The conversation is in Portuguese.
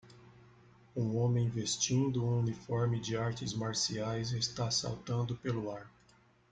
Um homem vestindo um uniforme de artes marciais está saltando pelo ar.